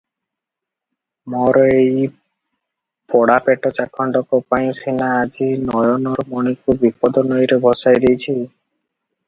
ମୋର ଏଇ ପୋଡ଼ା ପେଟ ଚାଖଣ୍ଡକ ପାଇଁ ସିନା ଆଜି ନୟନର ମଣିକୁ ବିପଦ ନଈରେ ଭସାଇ ଦେଇଚି!